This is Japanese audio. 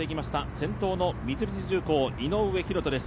先頭の三菱重工・井上大仁です。